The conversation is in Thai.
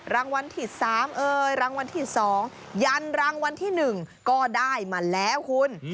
รางวัลที่สามรางวัลที่สองยันรางวัลที่หนึ่งก็ได้มาแล้วคุณ